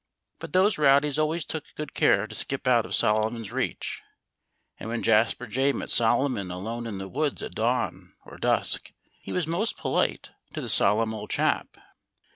But those rowdies always took good care to skip out of Solomon's reach. And when Jasper Jay met Solomon alone in the woods at dawn or dusk he was most polite to the solemn old chap.